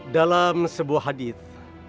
dalam sebuah hadith